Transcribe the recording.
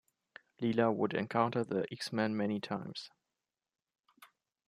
Lila would encounter the X-Men many times.